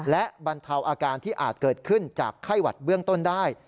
และบรรเทาอาการที่อาจเกิดขึ้นจากไข้หวัดเบื้องต้นได้